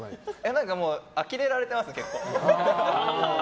何かもうあきれられてます、結構。